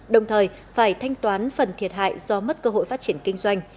đồng thời phải thanh toán phần thiệt hại do mất cơ hội phát triển kinh doanh